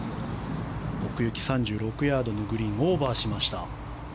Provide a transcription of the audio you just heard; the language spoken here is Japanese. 奥行き３６ヤードのグリーンをオーバーしました。